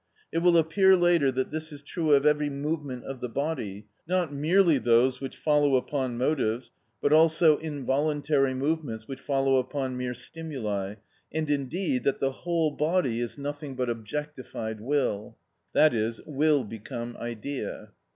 It will appear later that this is true of every movement of the body, not merely those which follow upon motives, but also involuntary movements which follow upon mere stimuli, and, indeed, that the whole body is nothing but objectified will, i.e., will become idea.